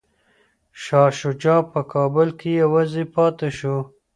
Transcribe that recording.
شاه شجاع په کابل کي یوازې پاتې شو.